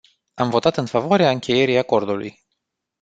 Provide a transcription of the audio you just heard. Am votat în favoarea încheierii acordului.